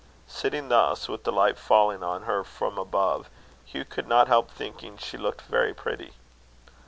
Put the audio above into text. Sitting thus, with the light falling on her from above, Hugh could not help thinking she looked very pretty.